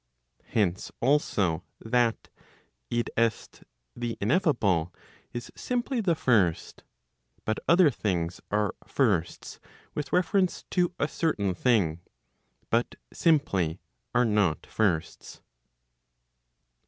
Hence also that [i. e. the ineffable] is simply the first, but other things are firsts with reference to a certain thing, but simply are not firsts.